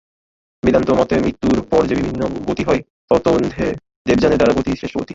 বেদান্তমতে মৃত্যুর পর যে বিভিন্ন গতি হয়, তন্মধ্যে দেবযানের দ্বারা গতি শ্রেষ্ঠ গতি।